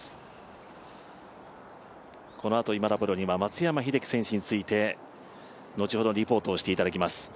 このあと今田プロは松山英樹選手について後ほどリポートをしていただきます。